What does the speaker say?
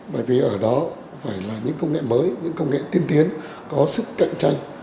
bởi vì ở đó phải là những công nghệ mới những công nghệ tiên tiến có sức cạnh tranh